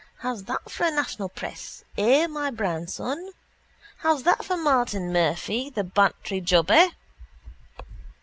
How's that for a national press, eh, my brown son! How's that for Martin Murphy, the Bantry jobber?